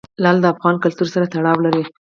لعل د افغان کلتور سره تړاو لري.